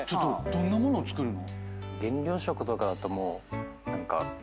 どんな物を作るの？